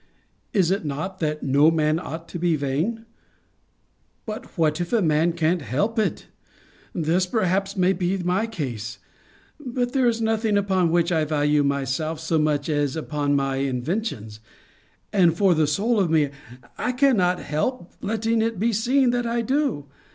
Is it not, That no man ought to be vain? But what if a man can't help it! This, perhaps, may be my case. But there is nothing upon which I value myself so much as upon my inventions. And for the soul of me, I cannot help letting it be seen, that I do.